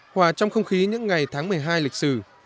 hòa trong không khí những ngày tháng một mươi hai lịch sử